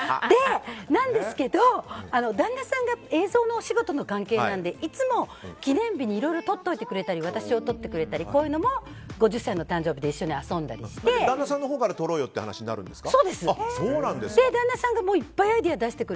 なんですけど旦那さんが映像のお仕事の関係なのでいつも記念日にいろいろ撮っておいてくれたり私を撮ってくれたりこういうのも５０歳の誕生日で旦那さんから撮ろうよという話になるんですか？